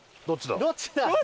どっちだ？